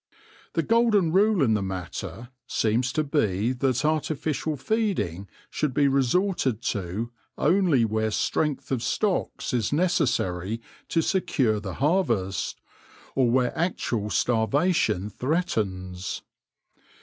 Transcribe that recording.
The golden rule in the matter seems to be that artificial feeding should be resorted to only where strength of stocks is necessary to secure the harvest, or where actual starvation threatens.